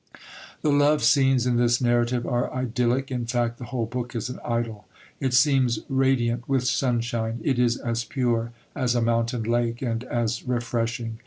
The love scenes in this narrative are idyllic; in fact, the whole book is an idyl. It seems radiant with sunshine. It is as pure as a mountain lake, and as refreshing.